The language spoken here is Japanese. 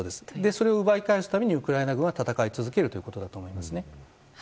それを奪い返すためにウクライナ軍は戦い続けるということだと思います。